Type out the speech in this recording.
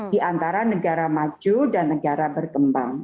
di antara negara maju dan negara berkembang